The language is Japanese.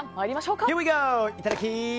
いただき！